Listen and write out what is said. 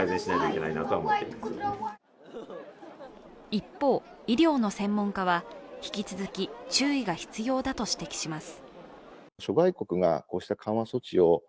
一方、医療の専門家は引き続き注意が必要だと指摘します。